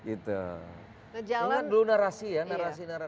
itu kan dulu narasi ya